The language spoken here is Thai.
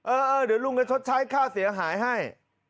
เออเดี๋ยวลุงจะชดใช้ค่าเสียหายให้